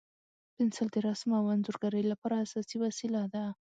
پنسل د رسم او انځورګرۍ لپاره اساسي وسیله ده.